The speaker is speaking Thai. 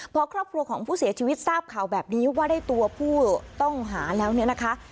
พอครอบครัวของผู้เสียชีวิตทราบข่าวแบบนี้ว่าได้ตัวผู้ต้องหาแล้วเนี่ยนะคะ